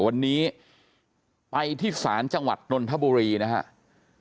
วันนี้ไปที่ศาลจังหวัดนนทบุรีนะครับ